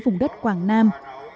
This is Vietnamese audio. vùng đất quảng nam